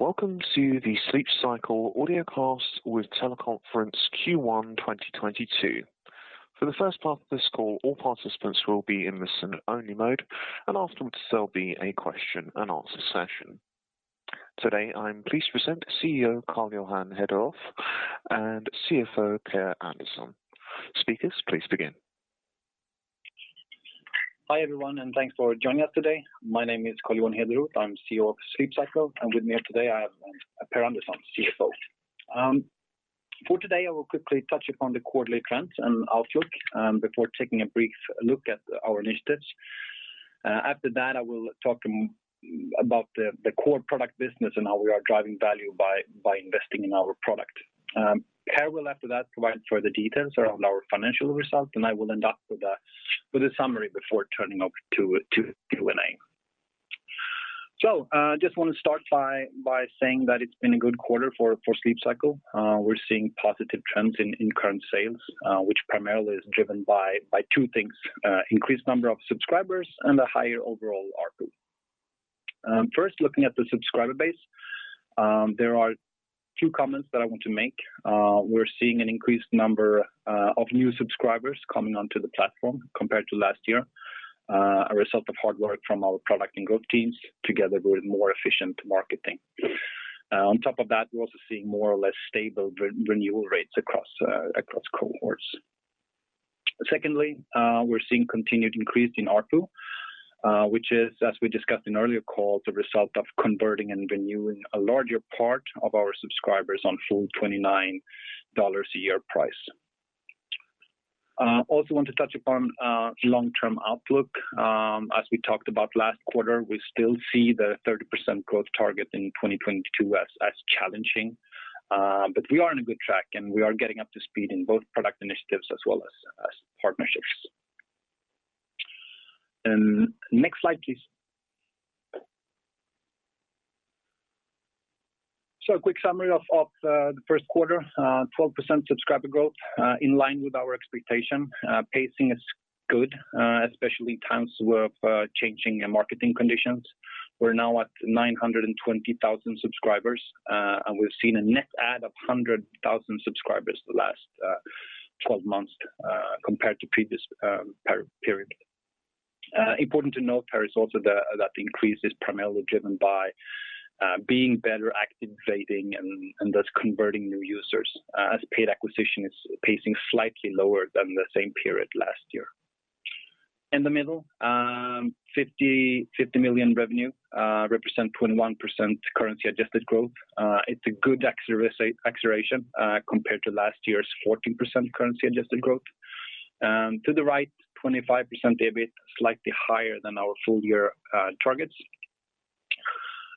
Welcome to the Sleep Cycle audiocast with teleconference Q1 2022. For the first part of this call, all participants will be in listen-only mode, and afterwards there'll be a question-and-answer session. Today, I am pleased to present CEO Carl Johan Hederoth and CFO Per Andersson. Speakers, please begin. Hi, everyone, and thanks for joining us today. My name is Carl Johan Hederoth. I'm CEO of Sleep Cycle, and with me here today I have Per Andersson, CFO. For today, I will quickly touch upon the quarterly trends and outlook before taking a brief look at our initiatives. After that, I will talk about the core product business and how we are driving value by investing in our product. Per will after that provide further details around our financial results, and I will end up with a summary before turning over to Q&A. Just wanna start by saying that it's been a good quarter for Sleep Cycle. We're seeing positive trends in current sales, which primarily is driven by two things, increased number of subscribers and a higher overall ARPU. First, looking at the subscriber base, there are two comments that I want to make. We're seeing an increased number of new subscribers coming onto the platform compared to last year, a result of hard work from our product and growth teams together with more efficient marketing. On top of that, we're also seeing more or less stable renewal rates across cohorts. Secondly, we're seeing continued increase in ARPU, which is, as we discussed in earlier calls, a result of converting and renewing a larger part of our subscribers on full $29 a year price. Also want to touch upon long-term outlook. As we talked about last quarter, we still see the 30% growth target in 2022 as challenging, but we are on a good track, and we are getting up to speed in both product initiatives as well as partnerships. Next slide, please. So a quick summary of the first quarter, 12% subscriber growth, in line with our expectation. Pacing is good, especially times of changing marketing conditions. We're now at 920,000 subscribers, and we've seen a net add of 100,000 subscribers the last 12 months, compared to previous prior period. Important to note here is also that the increase is primarily driven by being better activating and thus converting new users as paid acquisition is pacing slightly lower than the same period last year. In the middle, 50 million revenue represent 21% currency-adjusted growth. It's a good acceleration compared to last year's 14% currency-adjusted growth. To the right, 25% EBIT, slightly higher than our full-year targets.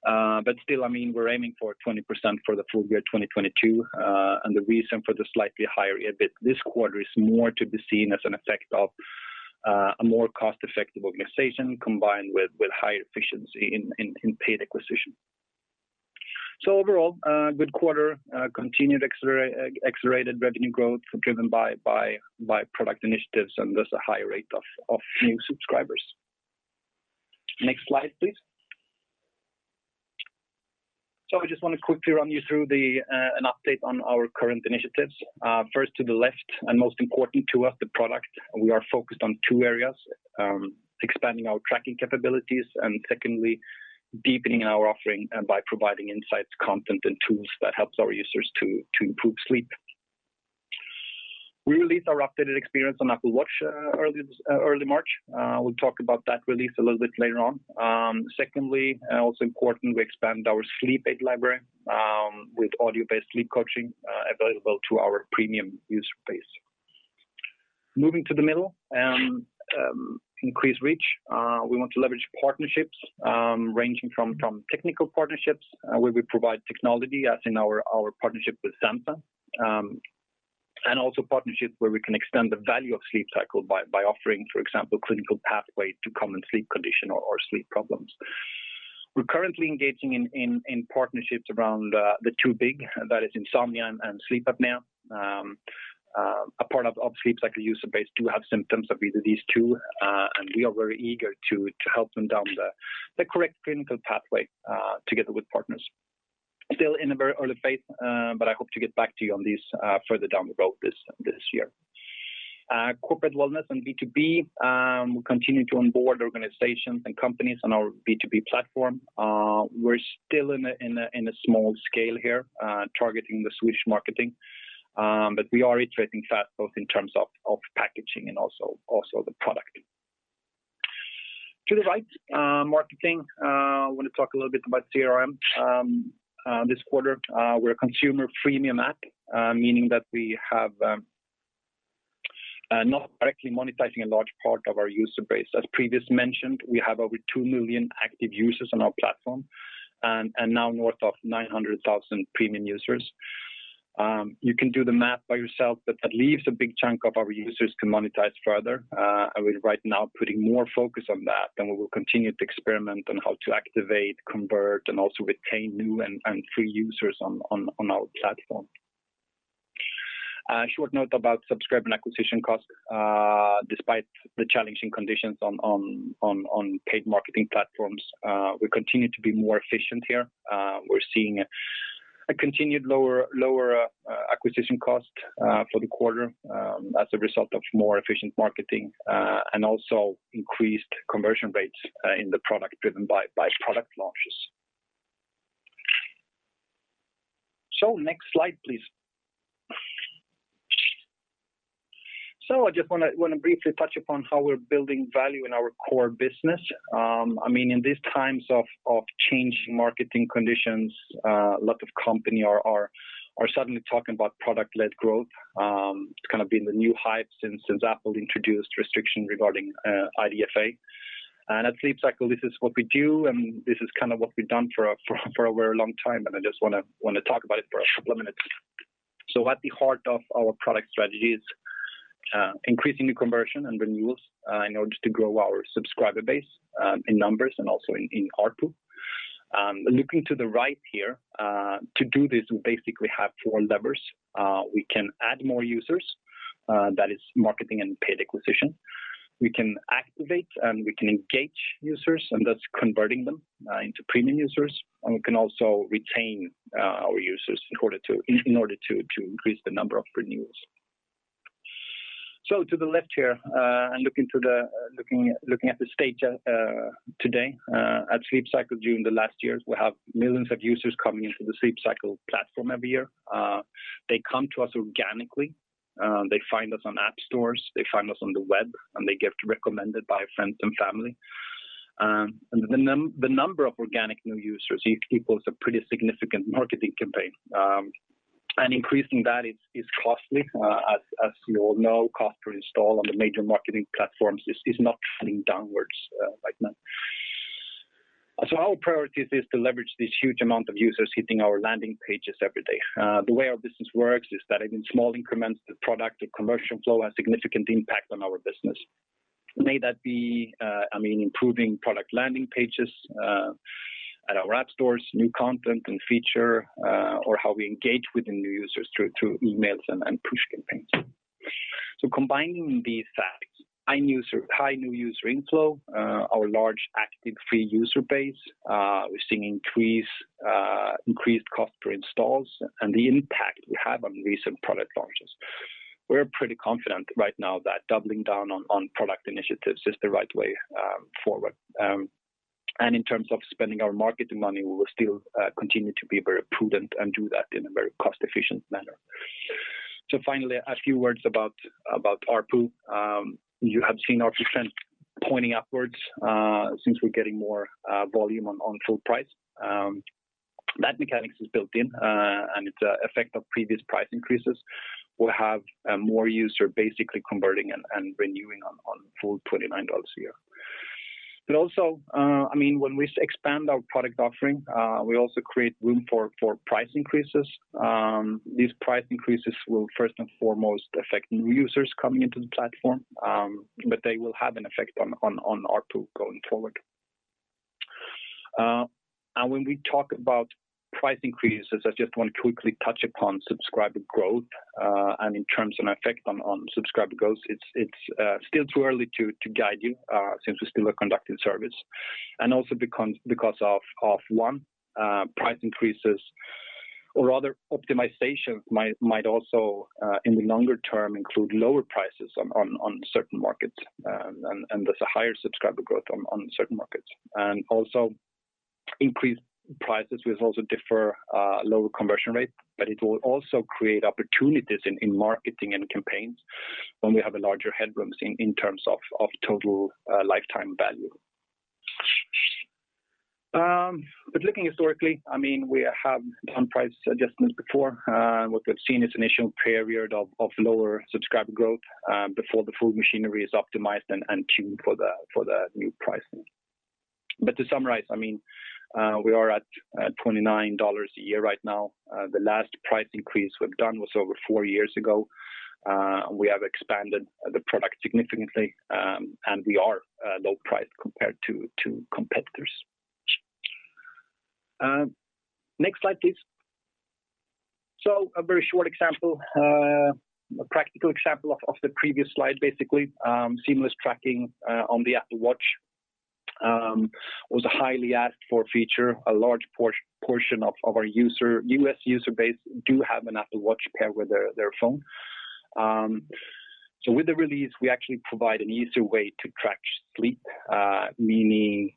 But still, I mean, we're aiming for 20% for the full year 2022. The reason for the slightly higher EBIT this quarter is more to be seen as an effect of a more cost-effective organization combined with higher efficiency in paid acquisition. Overall, a good quarter, continued accelerated revenue growth driven by product initiatives and thus a higher rate of new subscribers. Next slide, please. I just wanna quickly run you through an update on our current initiatives. First to the left and most important to us, the product. We are focused on two areas, expanding our tracking capabilities, and secondly, deepening our offering by providing insights, content, and tools that helps our users to improve sleep. We released our updated experience on Apple Watch early March. We'll talk about that release a little bit later on. Secondly, also important, we expanded our sleep aid library with audio-based sleep coaching available to our premium user base. Moving to the middle, increase reach. We want to leverage partnerships, ranging from technical partnerships, where we provide technology as in our partnership with Samsung. We can also extend the value of Sleep Cycle by offering, for example, clinical pathway to common sleep condition or sleep problems. We're currently engaging in partnerships around the two big, that is insomnia and sleep apnea. A part of Sleep Cycle user base do have symptoms of either these two, and we are very eager to help them down the correct clinical pathway together with partners. We're still in a very early phase. I hope to get back to you on this further down the road this year. Corporate wellness and B2B, we continue to onboard organizations and companies on our B2B platform. We're still on a small scale here, targeting the Swedish market, but we are iterating fast both in terms of packaging and the product. To the right, marketing. I want to talk a little bit about CRM this quarter. We're a consumer freemium app, meaning that we're not directly monetizing a large part of our user base. As previously mentioned, we have over 2 million active users on our platform and now north of 900,000 premium users. You can do the math by yourself, but that leaves a big chunk of our users to monetize further. We're right now putting more focus on that, and we will continue to experiment on how to activate, convert, and also retain new and free users on our platform. Short note about subscriber and acquisition costs. Despite the challenging conditions on paid marketing platforms, we continue to be more efficient here. We're seeing a continued lower acquisition cost for the quarter, as a result of more efficient marketing and also increased conversion rates in the product driven by product launches. Next slide, please. I just wanna briefly touch upon how we're building value in our core business. I mean, in these times of changing marketing conditions, a lot of companies are suddenly talking about product-led growth. It's kind of been the new hype since Apple introduced restrictions regarding IDFA. At Sleep Cycle, this is what we do, and this is kind of what we've done for a very long time, and I just wanna talk about it for a couple of minutes. At the heart of our product strategy is increasing the conversion and renewals in order to grow our subscriber base in numbers and also in ARPU. Looking to the right here, to do this, we basically have four levers. We can add more users, that is marketing and paid acquisition. We can activate, and we can engage users, and that's converting them into premium users. We can also retain our users in order to increase the number of renewals. To the left here, looking at the state today at Sleep Cycle during the last years, we have millions of users coming into the Sleep Cycle platform every year. They come to us organically. They find us on app stores, they find us on the web, and they get recommended by friends and family. The number of organic new users equals a pretty significant marketing campaign. Increasing that is costly. As you all know, cost to install on the major marketing platforms is not trending downwards right now. Our priority is to leverage this huge amount of users hitting our landing pages every day. The way our business works is that in small increments, the product, the conversion flow has significant impact on our business. may be, I mean, improving product landing pages at our app stores, new content and feature, or how we engage with the new users through emails and push campaigns. Combining these facts, high new user inflow, our large active free user base, we're seeing increased cost per installs and the impact we have on recent product launches. We're pretty confident right now that doubling down on product initiatives is the right way forward. In terms of spending our marketing money, we will still continue to be very prudent and do that in a very cost-efficient manner. Finally, a few words about ARPU. You have seen our trend pointing upwards since we're getting more volume on full price. The mechanics is built in, and it's an effect of previous price increases. We have more users basically converting and renewing on full $29 a year. I mean, when we expand our product offering, we also create room for price increases. These price increases will first and foremost affect new users coming into the platform, but they will have an effect on ARPU going forward. When we talk about price increases, I just want to quickly touch upon subscriber growth. In terms of effect on subscriber growth, it's still too early to guide you, since we still are conducting surveys. Because of price increases or other optimization might also in the longer term include lower prices on certain markets. There's a higher subscriber growth on certain markets. Increased prices will also differ lower conversion rate, but it will also create opportunities in marketing and campaigns when we have a larger headroom in terms of total lifetime value. Looking historically, I mean, we have done price adjustments before. What we've seen is initial period of lower subscriber growth before the full machinery is optimized and tuned for the new pricing. To summarize, I mean, we are at $29 a year right now. The last price increase we've done was over four years ago. We have expanded the product significantly, and we are low price compared to competitors. Next slide, please. A very short example. A practical example of the previous slide, basically. Seamless tracking on the Apple Watch was a highly asked for feature. A large portion of our U.S. User base do have an Apple Watch paired with their phone. With the release, we actually provide an easier way to track sleep, meaning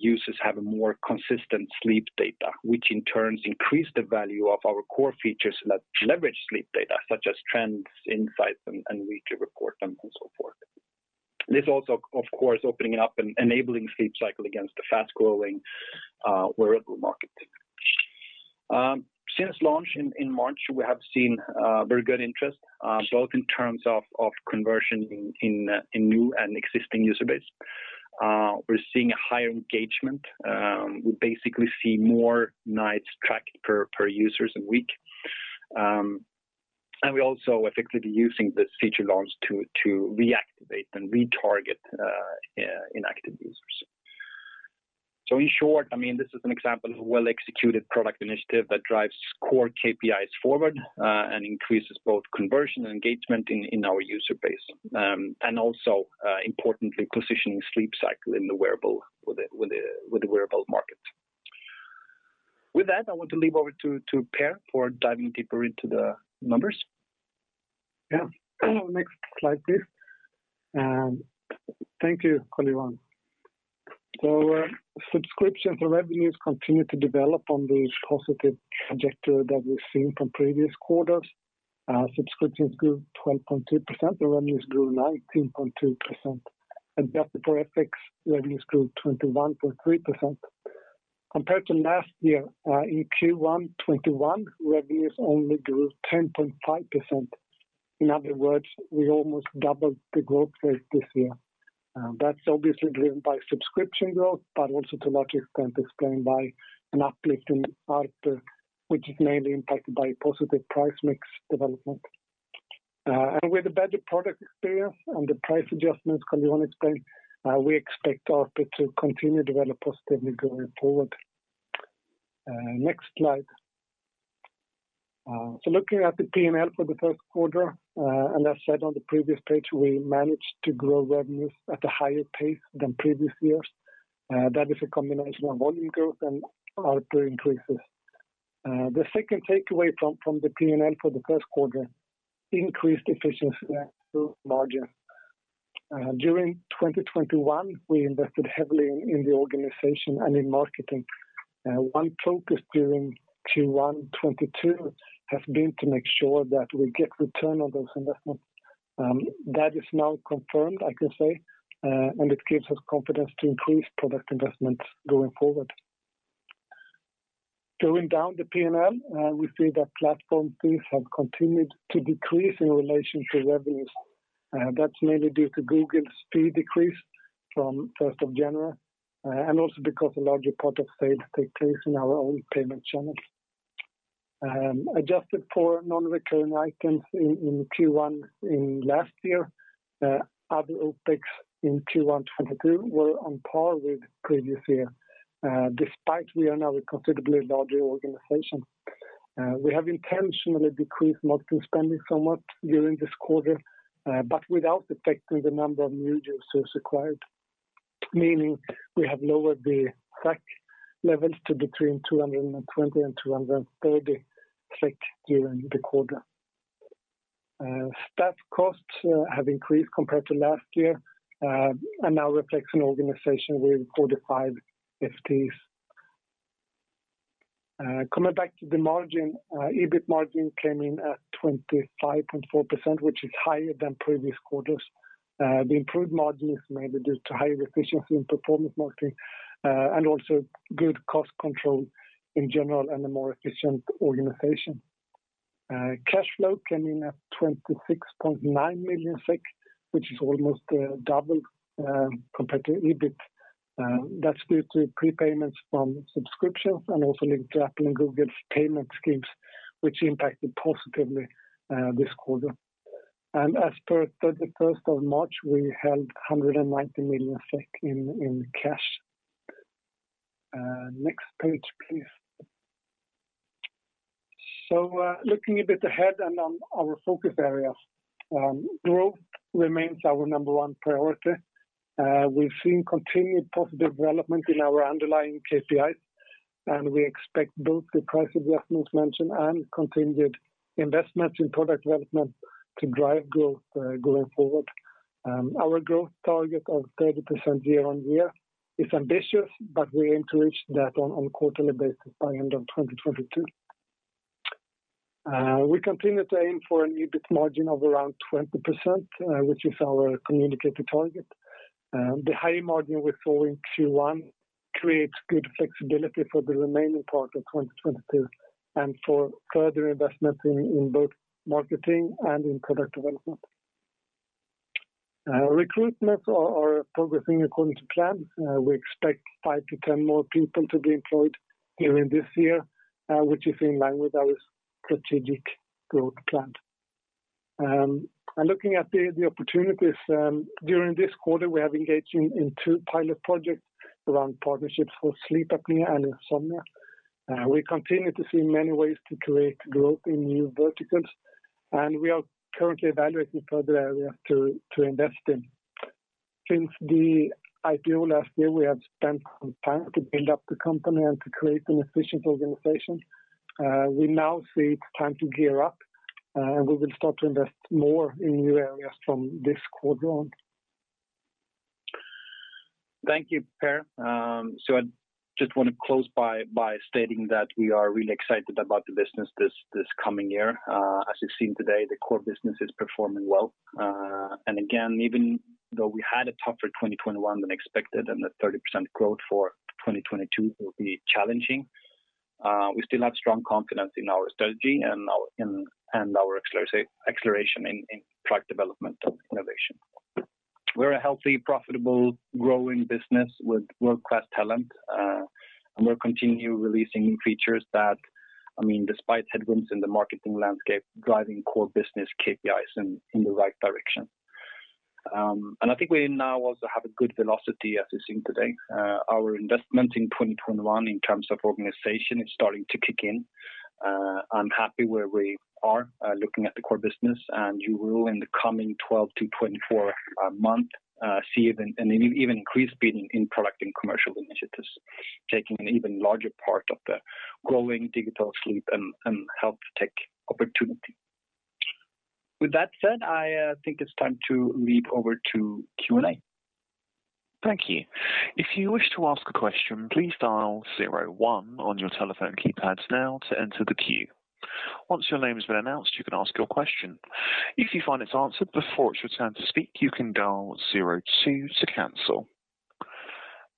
users have a more consistent sleep data, which in turn increase the value of our core features that leverage sleep data, such as trends, insights, and weekly report and so forth. This also, of course, opening up and enabling Sleep Cycle against the fast-growing wearable market. Since launch in March, we have seen very good interest both in terms of conversion in new and existing user base. We're seeing a higher engagement. We basically see more nights tracked per users a week. We're also effectively using this feature launch to reactivate and retarget inactive users. In short, I mean, this is an example of a well-executed product initiative that drives core KPIs forward and increases both conversion and engagement in our user base. Importantly, positioning Sleep Cycle in the wearable market. With that, I want to hand over to Per for diving deeper into the numbers. Yeah. Next slide, please. Thank you, Carl Johan. Subscription revenues continue to develop on the positive trajectory that we've seen from previous quarters. Subscriptions grew 12.2%, the revenues grew 19.2%. Adjusted for FX, revenues grew 21.3%. Compared to last year, in Q1 2021, revenues only grew 10.5%. In other words, we almost doubled the growth rate this year. That's obviously driven by subscription growth, but also to a large extent explained by an uplift in ARPDAU, which is mainly impacted by positive price-mix development. With the better product experience and the price adjustments Carl Johan explained, we expect ARPDAU to continue to develop positively going forward. Next slide. Looking at the P&L for the first quarter, and as said on the previous page, we managed to grow revenues at a higher pace than previous years. That is a combination of volume growth and ARPDAU increases. The second takeaway from the P&L for the first quarter, increased efficiency through margin. During 2021, we invested heavily in the organization and in marketing. One focus during Q1 2022 has been to make sure that we get return on those investments. That is now confirmed, I can say, and it gives us confidence to increase product investments going forward. Going down the P&L, we see that platform fees have continued to decrease in relation to revenues. That's mainly due to Google's fee decrease from first of January, and also because a larger part of sales take place in our own payment channels. Adjusted for non-recurring items in Q1 in last year, other OpEx in Q1 2022 were on par with previous year, despite we are now a considerably larger organization. We have intentionally decreased marketing spending somewhat during this quarter, but without affecting the number of new users acquired, meaning we have lowered the CAC levels to between 220 and 230 SEK during the quarter. Staff costs have increased compared to last year, and now reflects an organization with 45 FTEs. Coming back to the margin, EBIT margin came in at 25.4%, which is higher than previous quarters. The improved margin is mainly due to higher efficiency in performance marketing, and also good cost control in general and a more efficient organization. Cash flow came in at 26.9 million SEK, which is almost double compared to EBIT. That's due to prepayments from subscriptions and also linked to Apple and Google's payment schemes, which impacted positively this quarter. As per 31st of March, we held 190 million SEK in cash. Next page, please. Looking a bit ahead and on our focus areas, growth remains our number one priority. We've seen continued positive development in our underlying KPIs, and we expect both the price adjustments mentioned and continued investments in product development to drive growth going forward. Our growth target of 30% year-on-year is ambitious, but we aim to reach that on a quarterly basis by end of 2022. We continue to aim for an EBIT margin of around 20%, which is our communicated target. The high margin we saw in Q1 creates good flexibility for the remaining part of 2022 and for further investments in both marketing and in product development. Recruitment are progressing according to plan. We expect 5-10 more people to be employed during this year, which is in line with our strategic growth plan. Looking at the opportunities during this quarter, we have engaged in two pilot projects around partnerships for sleep apnea and insomnia. We continue to see many ways to create growth in new verticals, and we are currently evaluating further areas to invest in. Since the IPO last year, we have spent some time to build up the company and to create an efficient organization. We now see it's time to gear up, and we will start to invest more in new areas from this quarter on. Thank you, Per. I just wanna close by stating that we are really excited about the business this coming year. As you've seen today, the core business is performing well. Again, even though we had a tougher 2021 than expected and the 30% growth for 2022 will be challenging, we still have strong confidence in our strategy and our acceleration in product development and innovation. We're a healthy, profitable, growing business with world-class talent, and we'll continue releasing new features that, I mean, despite headwinds in the marketing landscape, driving core business KPIs in the right direction. I think we now also have a good velocity, as you've seen today. Our investment in 2021 in terms of organization is starting to kick in. I'm happy where we are, looking at the core business, and you will, in the coming 12-24 months, see an even increased speed in product and commercial initiatives, taking an even larger part of the growing digital sleep and health tech opportunity. With that said, I think it's time to lead over to Q&A. Thank you. If you wish to ask a question, please dial zero one on your telephone keypads now to enter the queue. Once your name has been announced, you can ask your question. If you find it's answered before it's your turn to speak, you can dial zero two to cancel.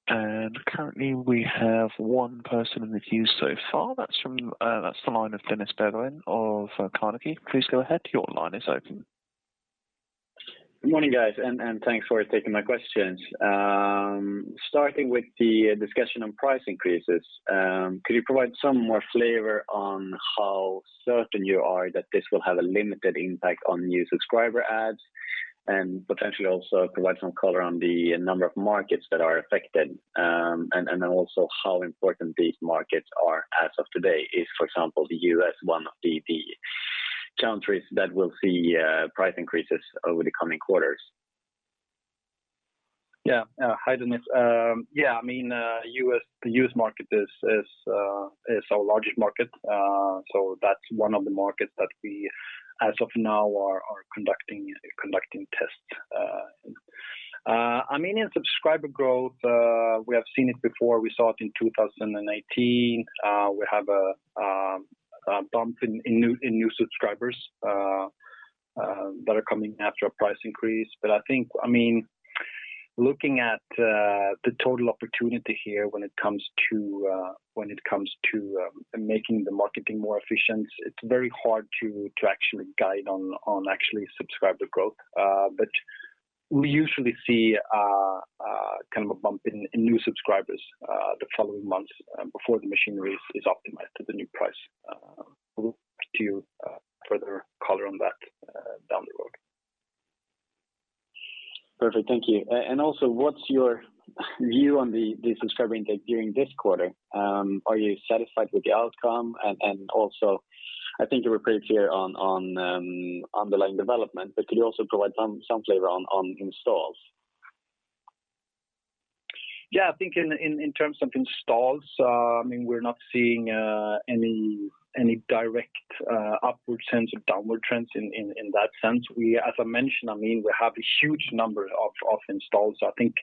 Currently, we have one person in the queue so far. That's the line of Dennis Berggren of Carnegie. Please go ahead. Your line is open. Good morning, guys, and thanks for taking my questions. Starting with the discussion on price increases, could you provide some more flavor on how certain you are that this will have a limited impact on new subscriber adds, and potentially also provide some color on the number of markets that are affected, and then also how important these markets are as of today? Is, for example, the U.S. one of the countries that will see price increases over the coming quarters? Hi, Dennis. I mean, the U.S. market is our largest market, so that's one of the markets that we as of now are conducting tests in. I mean, in subscriber growth, we have seen it before. We saw it in 2018. We have a bump in new subscribers that are coming after a price increase. I think I mean, looking at the total opportunity here when it comes to making the marketing more efficient, it's very hard to actually guide on actually subscriber growth. We usually see a kind of a bump in new subscribers the following months before the machinery is optimized to the new price. We'll give further color on that down the road. Perfect. Thank you. Also, what's your view on the subscriber intake during this quarter? Are you satisfied with the outcome? Also, I think you were pretty clear on underlying development, but could you also provide some flavor on installs? Yeah. I think in terms of installs, I mean, we're not seeing any direct upward trends or downward trends in that sense. As I mentioned, I mean, we have a huge number of installs. I think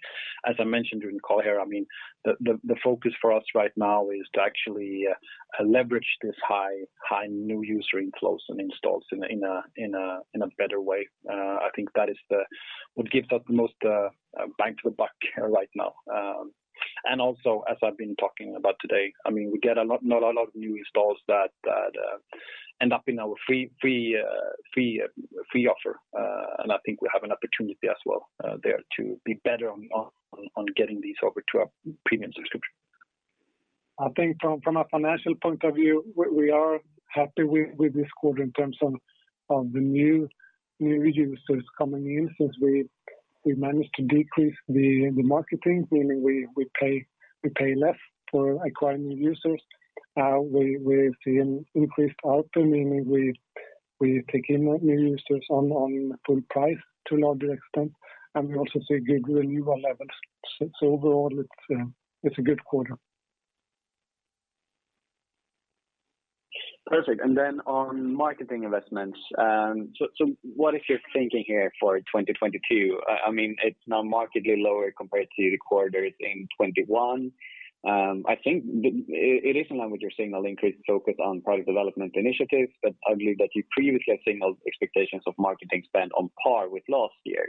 as I mentioned during the call here, I mean, the focus for us right now is to actually leverage this high new-user inflows and installs in a better way. I think that would give us the most bang for the buck right now. Also, as I've been talking about today, I mean, we get a lot... Not a lot of new installs that end up in our free offer, and I think we have an opportunity as well there to be better on getting these over to our premium subscription. I think from a financial point of view, we are happy with this quarter in terms of the new users coming in, since we've managed to decrease the marketing, meaning we pay less for acquiring new users. We've seen increased ARPU, meaning we take in new users on full price to a larger extent, and we also see good renewal levels. Overall it's a good quarter. Perfect. On marketing investments, what is your thinking here for 2022? I mean, it's now markedly lower compared to the quarters in 2021. I think it is in line with your signaled increased focus on product development initiatives, but I believe that you previously signaled expectations of marketing spend on par with last year.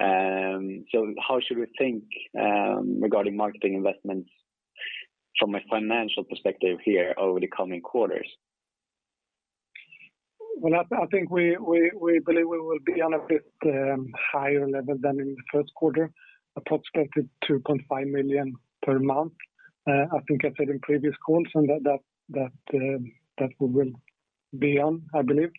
How should we think regarding marketing investments from a financial perspective here over the coming quarters? Well, I think we believe we will be on a bit higher level than in the first quarter, approximately 2.5 million per month. I think I said in previous calls, and that we will be on, I believe.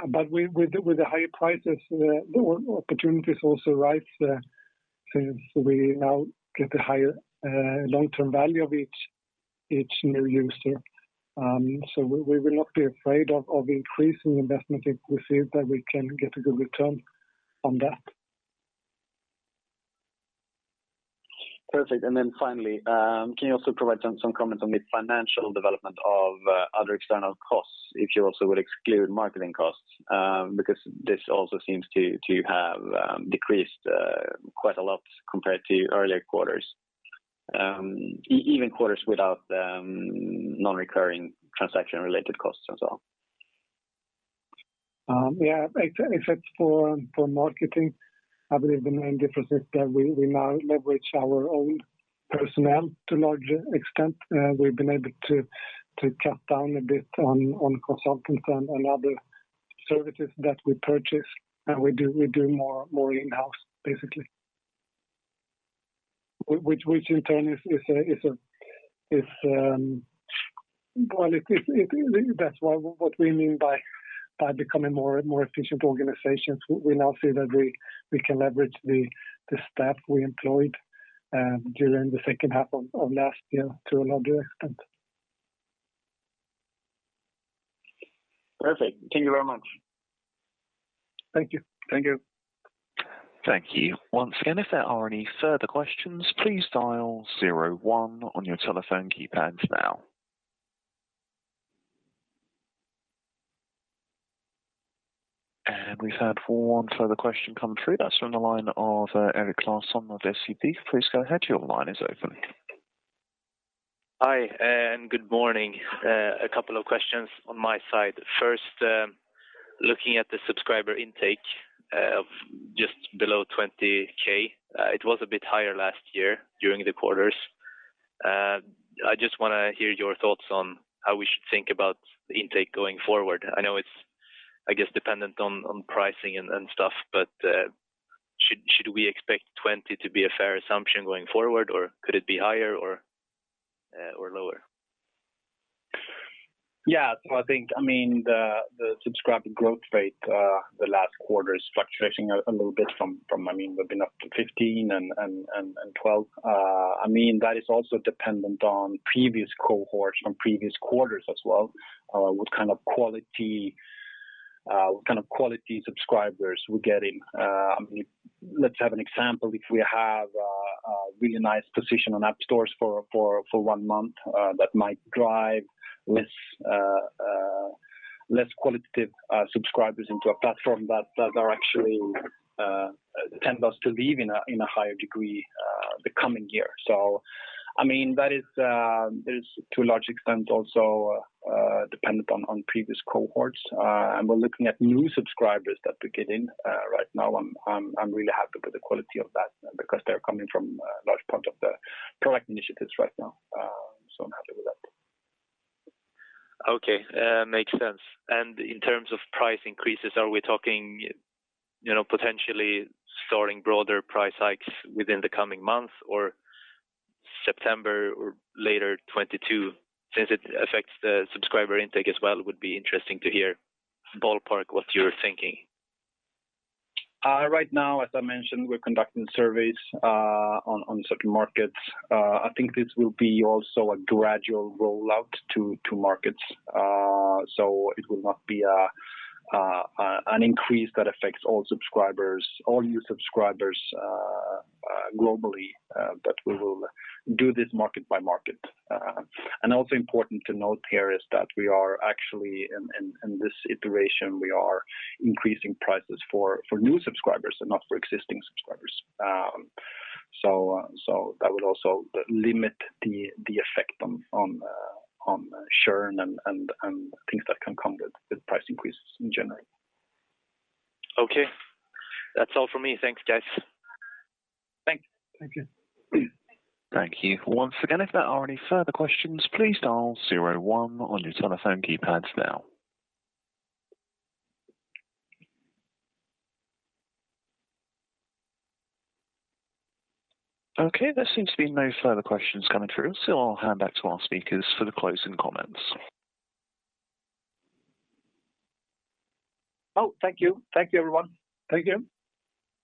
With the higher prices, the opportunities also rise, since we now get a higher long-term value of each new user. We will not be afraid of increasing investment if we see that we can get a good return on that. Perfect. Finally, can you also provide some comment on the financial development of other external costs, if you also would exclude marketing costs? Because this also seems to have decreased quite a lot compared to earlier quarters. Even quarters without non-recurring transaction-related costs as well. Yeah. Except for marketing, I believe the main difference is that we now leverage our own personnel to a larger extent. We've been able to cut down a bit on consultants and other services that we purchase, and we do more in-house, basically. Which in turn, well, it is. That's what we mean by becoming more efficient organization. We now see that we can leverage the staff we employed during the second half of last year to a larger extent. Perfect. Thank you very much. Thank you. Thank you. Thank you. Once again, if there are any further questions, please dial zero one on your telephone keypads now. We've had one further question come through. That's from the line of Erik Classon of Citi. Please go ahead. Your line is open. Hi, good morning. A couple of questions on my side. First, looking at the subscriber intake of just below 20K, it was a bit higher last year during the quarters. I just wanna hear your thoughts on how we should think about the intake going forward. I know it's, I guess, dependent on pricing and stuff, but should we expect 20% to be a fair assumption going forward, or could it be higher or lower? Yeah. I think I mean, the subscriber growth rate the last quarter is fluctuating a little bit. I mean, we've been up to 15% and 12%. I mean, that is also dependent on previous cohorts from previous quarters as well, what kind of quality subscribers we're getting. I mean, let's have an example. If we have a really nice position on app stores for one month, that might drive less quality subscribers into our platform that actually tend to leave to a higher degree the coming year. I mean, that is to a large extent also dependent on previous cohorts. We're looking at new subscribers that we get in right now. I'm really happy with the quality of that because they're coming from a large part of the product initiatives right now. I'm happy with that. Okay. Makes sense. In terms of price increases, are we talking, you know, potentially starting broader price hikes within the coming month or September or later 2022? Since it affects the subscriber intake as well, it would be interesting to hear ballpark what you're thinking. Right now, as I mentioned, we're conducting surveys on certain markets. I think this will be also a gradual rollout to markets. It will not be an increase that affects all subscribers, all new subscribers globally, but we will do this market by market. Also important to note here is that we are actually in this iteration, we are increasing prices for new subscribers and not for existing subscribers. That would also limit the effect on churn and things that can come with price increases in general. Okay. That's all from me. Thanks, guys. Thanks. Thank you. Thank you. Once again, if there are any further questions, please dial zero one on your telephone keypads now. Okay, there seems to be no further questions coming through, so I'll hand back to our speakers for the closing comments. Oh, thank you. Thank you, everyone. Thank you.